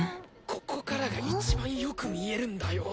ここからがいちばんよく見えるんだよ！